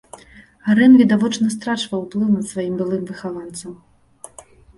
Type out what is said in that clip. Арэн відавочна страчваў уплыў над сваім былым выхаванцам.